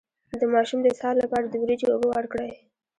د ماشوم د اسهال لپاره د وریجو اوبه ورکړئ